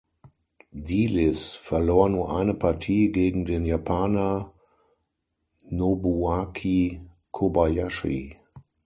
Dielis verlor nur eine Partie gegen den Japaner Nobuaki Kobayashi.